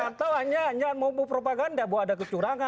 atau hanya hanya membuat propaganda bahwa ada kecurangan